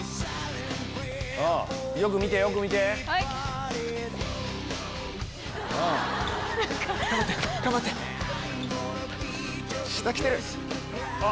よく見てよく見て。頑張って頑張って！下来てる！